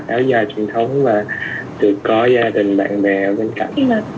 tại vì phần lớn bạn ấy có hai đứa đều ở việt nam